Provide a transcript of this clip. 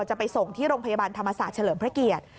จะไปส่งที่โรงพยาบาลธรรมศาสตร์เฉลิมพระเกียรติ